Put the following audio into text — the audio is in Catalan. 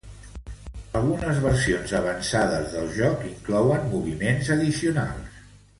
Algunes versions avançades del joc inclouen moviments addicionals.